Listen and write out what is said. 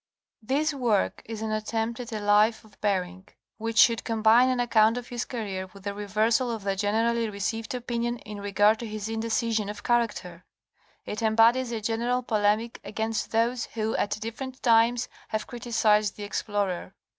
' This work is an attempt at a life of Bering which should combine an account of his*career with a reversal of the generally received opinion in regard to his indecision of character. It embodies a general polemic against those who at different times have criticised the explorer.